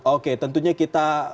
oke tentunya kita